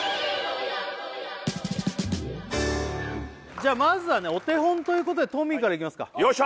じゃまずはねお手本ということでトミーからいきますかよっしゃ